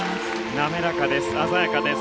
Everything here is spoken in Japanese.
滑らかです。